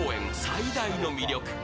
最大の魅力。